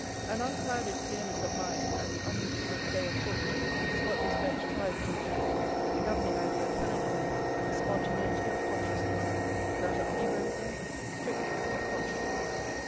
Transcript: An unclouded clearness of mind, an unimpeded play of thought, is what this bent drives at. The governing idea of Hellenism is spontaneity of consciousness; that of Hebraism, strictness of conscience.